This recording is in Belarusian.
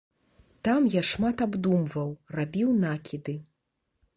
Там я шмат абдумваў, рабіў накіды.